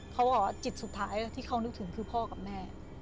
เขาบอกว่าจิตสุดท้ายที่เขานึกถึงคือพ่อกับแม่